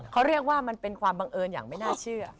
เขาเรียกว่ามันเป็นความบังเอิญอย่างไม่น่าเชื่อ